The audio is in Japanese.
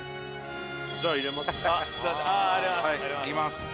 じゃあ入れますね。